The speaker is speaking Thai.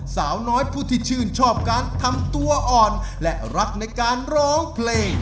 สาวน้อยผู้ที่ชื่นชอบการทำตัวอ่อนและรักในการร้องเพลง